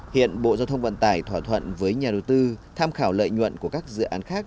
hiện bộ giao thông vận tải thỏa thuận với nhà đầu tư tham khảo lợi nhuận của các dự án khác